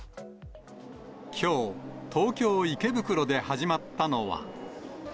きょう、東京・池袋で始まったのは。